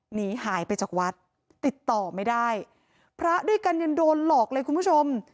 หนีหายไปจากวัดติดต่อไม่ได้พระด้วยกันยังโดนหลอกเลยคุณผู้ชม